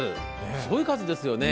すごい数ですよね。